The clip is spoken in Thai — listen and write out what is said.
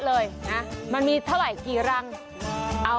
เลยนะมันมีเท่าไหร่กี่รังเอา